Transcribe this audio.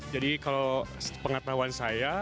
jadi kalau pengetahuan saya